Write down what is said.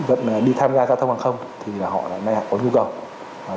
vẫn đi tham gia giao thông hàng không thì họ lại nghe hỏi nhu cầu